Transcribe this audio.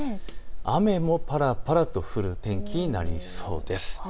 雨もぱらぱらと降る天気になりそうです。